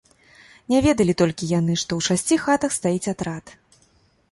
Не ведалі толькі яны, што ў шасці хатах стаіць атрад.